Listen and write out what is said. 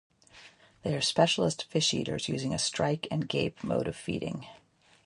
They are specialist fish eaters using a strike and gape mode of feeding.